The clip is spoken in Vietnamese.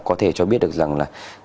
có thể cho biết được rằng là